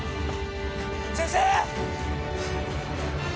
先生！